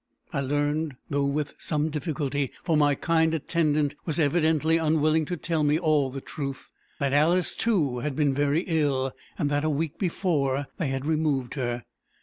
I learned, though with some difficulty for my kind attendant was evidently unwilling to tell me all the truth that Alice, too, had been very ill; and that, a week before, they had removed her.